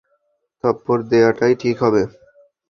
থাপ্পড় দেওয়াটাই ঠিক হবে।